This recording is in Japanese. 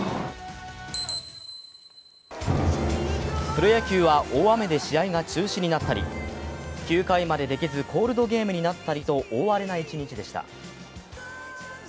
プロ野球は大雨で試合が中止になったり、９回までできずコールドゲームになったりと大荒れな一日でした。